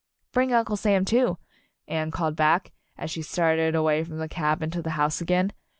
"Bring Uncle Sam, too," Anne called back, as she started away from the cabin to the house again.